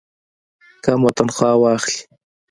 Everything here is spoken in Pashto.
کمه تنخواه واخلي.